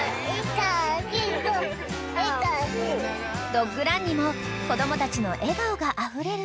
［ドッグランにも子供たちの笑顔があふれる］